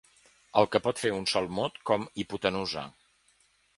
El que pot fer un sol mot com hipotenusa!